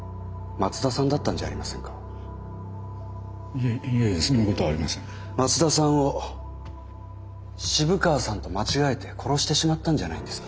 松田さんを渋川さんと間違えて殺してしまったんじゃないんですか。